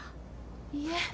いえ